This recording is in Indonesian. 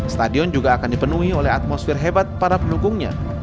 stadion juga akan dipenuhi oleh atmosfer hebat para pendukungnya